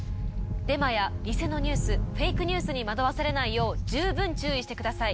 デマや偽のニュースフェイクニュースに惑わされないよう十分注意してください。